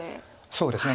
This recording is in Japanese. そうですね